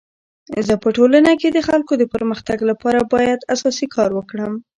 زه په ټولنه کي د خلکو د پرمختګ لپاره باید اساسي کار وکړم.